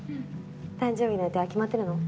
誕生日の予定は決まってるの？